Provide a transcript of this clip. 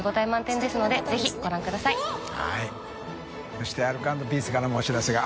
修靴アルコ＆ピースからもお知らせが。